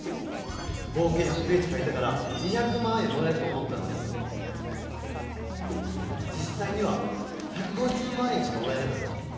合計１００ページかいたから２００万円もらえると思ったのに実さいには１５０万円しかもらえなかった。